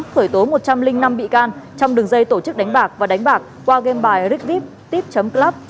khởi tố một trăm linh năm bị can trong đường dây tổ chức đánh bạc và đánh bạc qua game bài rickvip tip club